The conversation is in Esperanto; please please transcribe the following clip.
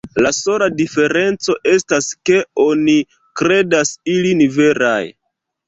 La sola diferenco estas, ke oni kredas ilin veraj.